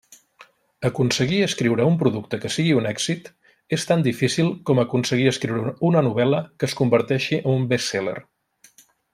Aconseguir escriure un producte que sigui un èxit és tan difícil com aconseguir escriure una novel·la que es converteixi en un best-seller.